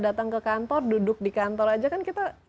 datang ke kantor duduk di kantor aja kan kita